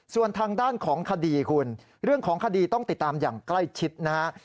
ส่วนทางด้านของคดีคุณเรื่องของคดีต้องติดตามอย่างใกล้ชิดนะฮะ